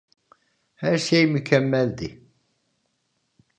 Her şey mükemmeldi.